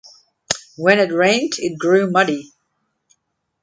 When it rained it grew muddy.